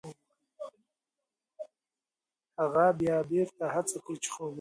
هغه بیا بېرته هڅه کوي چې خوب وکړي.